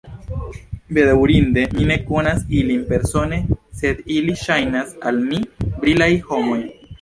Bedaŭrinde, mi ne konas ilin persone, sed ili ŝajnas al mi brilaj homoj.